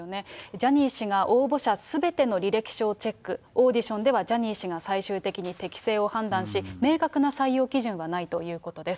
ジャニー氏が応募者すべての履歴書をチェック、オーディションではジャニー氏が最終的に適性を判断し、明確な採用基準はないということです。